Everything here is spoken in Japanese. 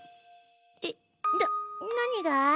えっな何が？